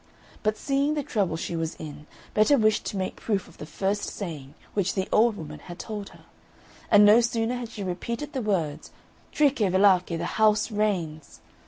But seeing the trouble she was in, Betta wished to make proof of the first saying which the old woman had told her; and no sooner had she repeated the words, "Tricche varlacche, the house rains!"